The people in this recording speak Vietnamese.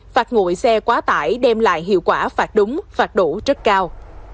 phạt nguội xe quá tải đem lại hiệu quả phạt đúng phạt đủ rất cao